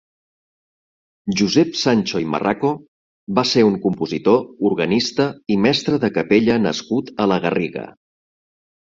Josep Sancho i Marraco va ser un compositor, organista i mestre de capella nascut a la Garriga.